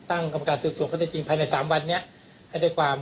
ตั้งกรรมการสืบส่วนเมื่อจริงภายในสามวันเนี้ยให้ได้ความ